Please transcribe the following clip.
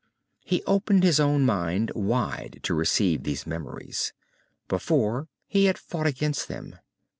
_ He opened his own mind wide to receive those memories. Before he had fought against them.